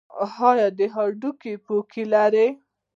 ایا د هډوکو پوکي لرئ؟